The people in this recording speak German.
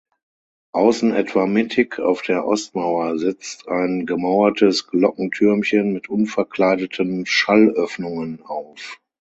Außen etwa mittig auf der Ostmauer setzt ein gemauertes Glockentürmchen mit unverkleideten Schallöffnungen auf.